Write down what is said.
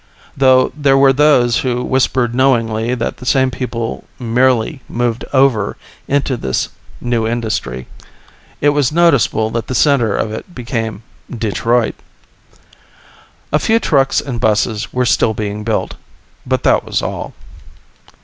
(Though there were those who whispered knowingly that the same people merely moved over into the new industry. It was noticeable that the center of it became Detroit.) A few trucks and buses were still being built, but that was all.